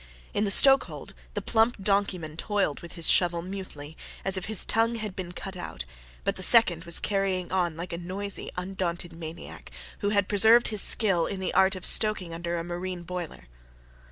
In the stokehold the plump donkeyman toiled with his shovel mutely, as if his tongue had been cut out; but the second was carrying on like a noisy, undaunted maniac, who had preserved his skill in the art of stoking under a marine boiler.